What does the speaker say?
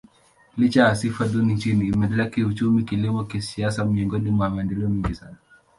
Licha ya sifa duni nchini, imeendelea kiuchumi, kilimo, kisiasa miongoni mwa maendeleo mengi sana.